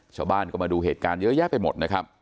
ชาวบ้านก็มาดูเหตุการณ์เยอะแยะไปหมดนะครับ